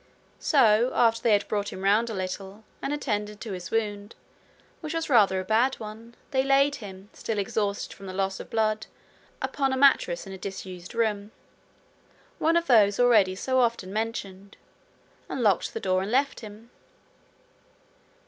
So, after they had brought him round a little, and attended to his wound, which was rather a bad one, they laid him, still exhausted from the loss of blood, upon a mattress in a disused room one of those already so often mentioned and locked the door, and left him.